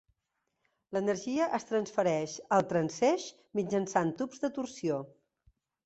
L'energia es transfereix al transeix mitjançant tubs de torsió.